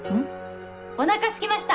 お腹すきました！